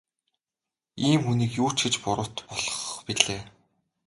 Ийм хүнийг юу ч гэж буруут болгох билээ.